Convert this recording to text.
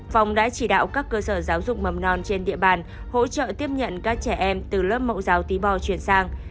phòng đã chỉ đạo các cơ sở giáo dục mầm non trên địa bàn hỗ trợ tiếp nhận các trẻ em từ lớp mẫu giáo tí bò chuyển sang